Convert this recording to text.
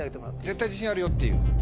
絶対自信あるよっていう。